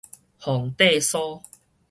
皇帝酥